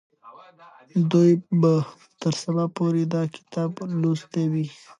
دوی به تر سبا پورې دا کتاب لوستی وي.